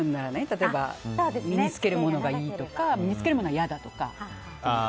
例えば身に着けるものがいいとか身に着けるものは嫌だとか。